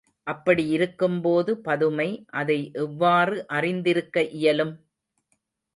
அப்படி இருக்கும்போது பதுமை அதை எவ்வாறு அறிந்திருக்க இயலும்?